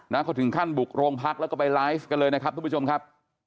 เขาถึงขั้นบุกโรงพักแล้วก็ไปไลฟ์กันเลยนะครับทุกผู้ชมครับ